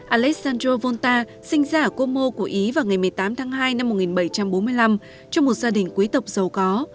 alessandro volta sinh ra ở como của ý vào ngày một mươi tám tháng hai năm một nghìn bảy trăm bốn mươi năm trong một gia đình quý tộc giàu có